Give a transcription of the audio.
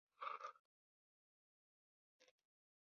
Nko refuses and beats him to pulp.